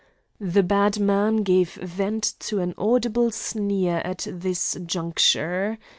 The bad man gave vent to an audible sneer at this juncture.